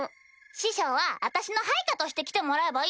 師匠は私の配下として来てもらえばいいじゃん。